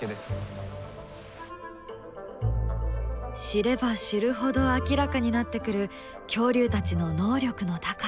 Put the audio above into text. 知れば知るほど明らかになってくる恐竜たちの能力の高さ。